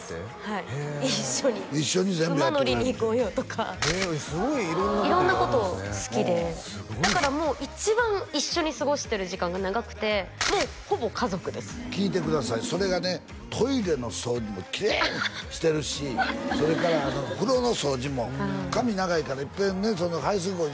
はい一緒にへえ一緒に全部やってくれる馬乗りに行こうよとかすごい色んなことやるんですね色んなこと好きでだからもう一番一緒に過ごしてる時間が長くてもうほぼ家族です聞いてくださいそれがねトイレの掃除もきれいにしてるしそれから風呂の掃除も髪長いから一遍ね排水口